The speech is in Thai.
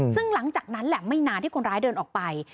ซึ่งหลังจากนั้นแหละไม่นานที่คนร้ายเดินออกไป